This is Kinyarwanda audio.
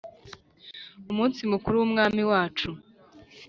u munsi mukuru w’umwami wacu,